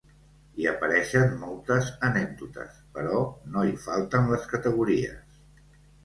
Hi apareixen moltes anècdotes, però no hi falten les categories.